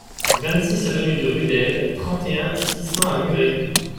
vingt-six avenue de Rudelle, trente et un, six cents à Muret